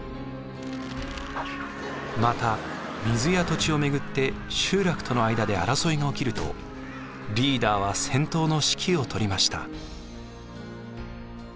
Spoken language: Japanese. また水や土地を巡って集落との間で争いが起きるとリーダーは戦闘の指揮を執りました。